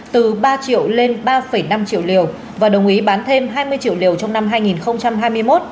từ ba triệu lên ba năm triệu liều và đồng ý bán thêm hai mươi triệu liều trong năm hai nghìn hai mươi một